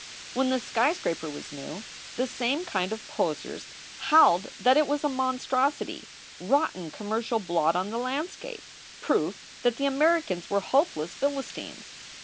"When the skyscraper was new, the same kind of poseurs howled that it was a monstrosity rotten commercial blot on the landscape proof that the Americans were hopeless Philistines.